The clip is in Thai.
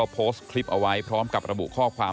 โพสต์คลิปเอาไว้พร้อมกับระบุข้อความ